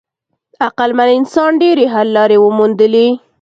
عقلمن انسان ډېرې حل لارې وموندلې.